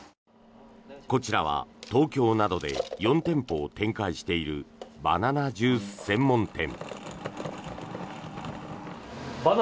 こちらは東京などで４店舗を展開しているバナナジュース専門店。